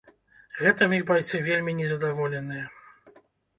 Гэтым іх байцы вельмі незадаволеныя.